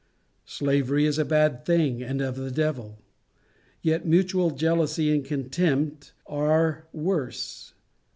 Slavery is a bad thing and of the devil, yet mutual jealousy and contempt are worse.